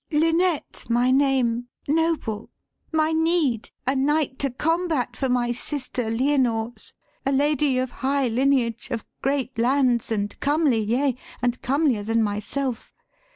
'Lynette my name; noble; my need, a knight To combat for my sister, Lyonors, A lady of high lineage, of great lands, And comely, yea, and comelier than myself.